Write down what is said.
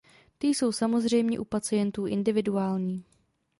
Ty jsou samozřejmě u pacientů individuální.